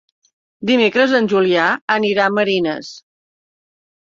Dimecres en Julià anirà a Marines.